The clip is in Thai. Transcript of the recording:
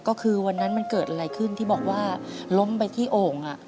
ก็คือวันนั้นมันเกิดอะไรขึ้นที่บอกว่าล้มไปที่โอ่ง